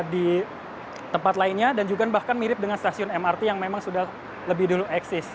di tempat lainnya dan juga bahkan mirip dengan stasiun mrt yang memang sudah lebih dulu eksis